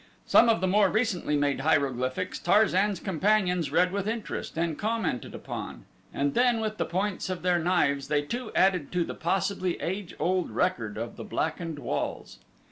Some of the more recently made hieroglyphics Tarzan's companions read with interest and commented upon, and then with the points of their knives they too added to the possibly age old record of the blackened walls.